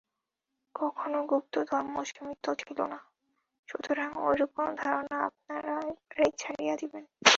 কখনও গুপ্ত ধর্মসমিতি ছিল না, সুতরাং ঐরূপ কোন ধারণা আপনারা একেবারেই ছাড়িয়া দিবেন।